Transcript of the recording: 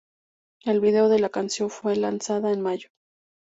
El vídeo de la canción fue lanzada en mayo.